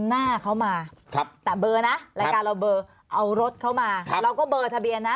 หน้าเขามาแต่เบอร์นะรายการเราเบอร์เอารถเข้ามาเราก็เบอร์ทะเบียนนะ